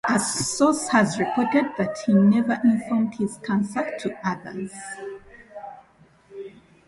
A source has reported that he never informed his cancer to others.